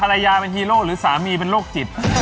ภรรยาเป็นฮีโร่หรือสามีเป็นโรคจิต